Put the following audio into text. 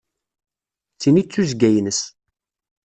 D tin i d tuzzga-ines.